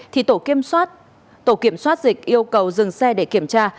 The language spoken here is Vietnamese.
thì tổ kiểm soát dịch yêu cầu dừng xe để kiểm tra